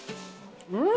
うん！